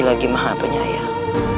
lagi maha penyayang